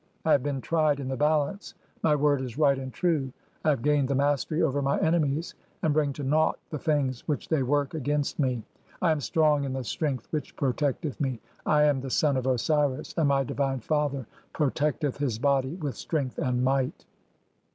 I have "been tried in the Balance, my word is right and true, I have "gained the mastery over my enemies, and bring to naught (?) the "things (7) which they work against me. I am strong in the "strength which protecteth me, I am the son of Osiris, and my "divine Father protecteth his body with strength and might